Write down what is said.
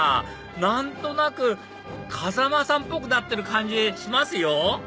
何となく風間さんっぽくなってる感じしますよ